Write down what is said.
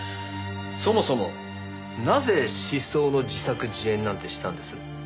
そもそもなぜ失踪の自作自演なんてしたんです？